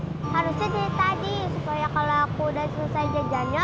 harusnya dari tadi supaya kalau aku udah selesai jajannya